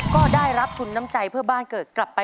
ก็ได้รับทุนน้ำใจเพื่อบ้านเกิดกลับไป